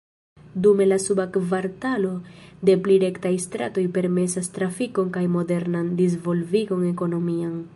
Dume la suba kvartalo de pli rektaj stratoj permesas trafikon kaj modernan disvolvigon ekonomian.